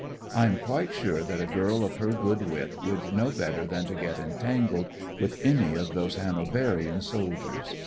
I am quite sure that a girl of her good wit would know better than to get entangled with any of those Hanoverian soldiers.